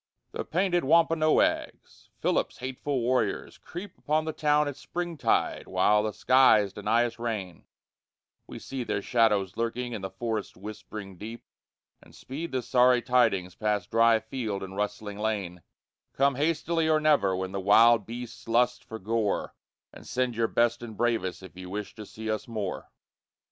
The painted Wampanoags, Philip's hateful warriors, creep Upon the town at springtide while the skies deny us rain; We see their shadows lurking in the forest's whispering deep, And speed the sorry tidings past dry field and rustling lane: _Come hastily or never when the wild beast lusts for gore, And send your best and bravest if you wish to see us more!